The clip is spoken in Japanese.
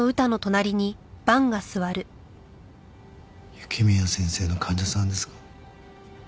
雪宮先生の患者さんですか？